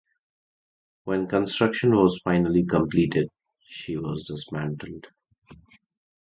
When construction was finally completed, she was dismantled.